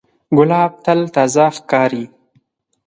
ګلاب تل تازه ښکاري.